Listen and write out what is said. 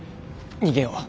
逃げよう」。